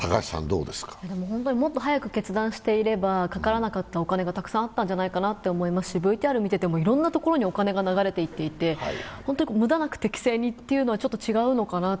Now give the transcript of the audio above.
本当にもっと早く決断していればかからなかったお金がたくさんあったんじゃないかなと思いますしＶＴＲを見ていてもいろんなところにお金が流れていっていて、本当に無駄なく適正にというのはちょっと違うのかなと。